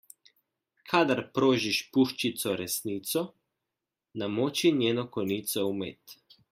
Kadar prožiš puščico resnico, namoči njeno konico v med.